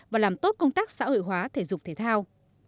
và làm tốt công tác xã hội hóa thể dục thể thao